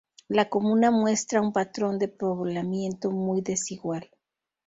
La comuna muestra un patrón de poblamiento muy desigual.